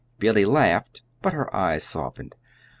Billy laughed, but her eyes softened.